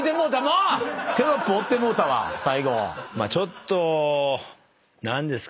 まあちょっと何ですか？